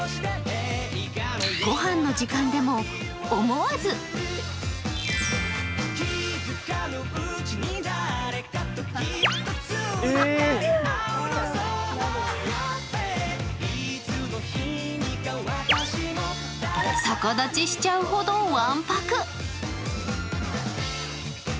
ごはんの時間でも思わず逆立ちしちゃうほど、わんぱく。